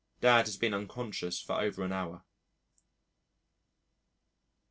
Dad has been unconscious for over an hour.